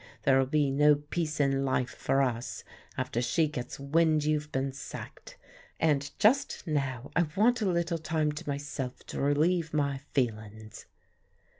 There'll be no peace in life for us after she gets wind you've been sacked; and just now I want a little time to myself to relieve my feelin's."